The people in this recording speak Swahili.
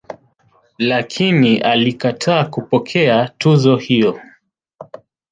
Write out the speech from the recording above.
Lakini alikataa kupokea tuzo hiyo.